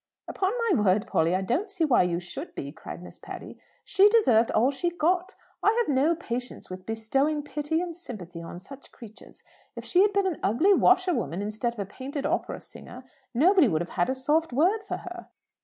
"Upon my word, Polly, I don't see why you should be," cried Miss Patty. "She deserved all she got. I have no patience with bestowing pity and sympathy on such creatures. If she had been an ugly washerwoman, instead of a painted opera singer, nobody would have had a soft word for her."